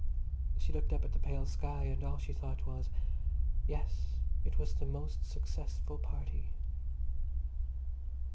She looked up at the pale sky, and all she thought was, "Yes, it was the most successful party."